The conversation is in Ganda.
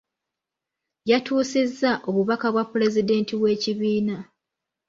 Yatuusizza obubaka bwa Pulezidenti w’ekibiina.